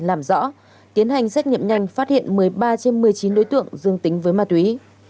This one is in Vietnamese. làm rõ tiến hành xét nghiệm nhanh phát hiện một mươi ba trên một mươi chín đối tượng dương tính với ma túy